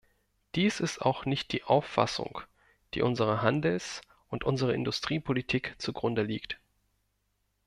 Dies ist auch nicht die Auffassung, die unserer Handels- und unserer Industriepolitik zugrunde liegt.